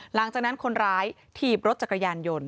หลังจากนั้นคนร้ายถีบรถจักรยานยนต์